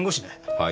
はい？